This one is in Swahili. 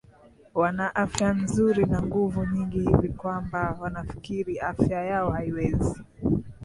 Wana afya nzuri na nguvu nyingi hivi kwamba wanafikiri afya yao haiwezi